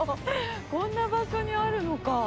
こんな場所にあるのか。